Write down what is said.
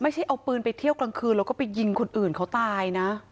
ไม่ใช่เอาปืนไปเที่ยวกลางคืนแล้วก็ไปยิงคนอื่นเขาตายนะ